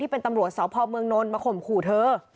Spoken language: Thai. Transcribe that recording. ที่เป็นตำรวจเสาพอมเมืองนลมาข่มขู่เธอ